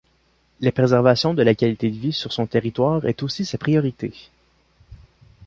La préservation de la qualité de vie sur son territoire est aussi sa priorité.